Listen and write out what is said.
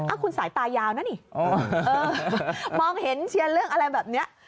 คุณสายตายาวนะนี่มองเห็นเชียร์เรื่องอะไรแบบนี้